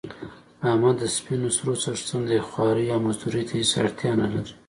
احمد د سپینو سرو څښتن دی خوارۍ او مزدورۍ ته هېڅ اړتیا نه لري.